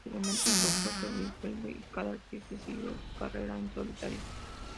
Posteriormente, el grupo se disuelve y cada artista siguió con su carrera en solitario.